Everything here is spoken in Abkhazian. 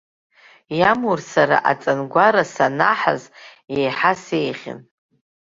Иамур сара аҵангәара санаҳыз еиҳа сеиӷьын.